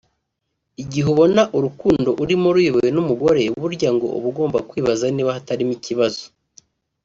Igihe ubona urukundo urimo ruyobowe n’umugore burya ngo uba ugomba kwibaza niba hatarimo ibibazo